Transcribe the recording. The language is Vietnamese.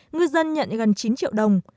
người dân nhận gần chín triệu đồng